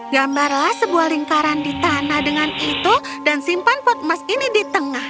gambarlah sebuah lingkaran di tanah dengan itu dan simpan pot emas ini di tengah